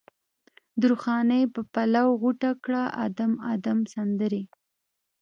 درخانۍ په پلو غوټه کړه ادم، ادم سندرې